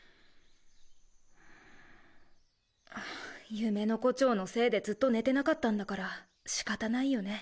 夢の胡蝶のせいでずっと寝てなかったんだから仕方ないよね。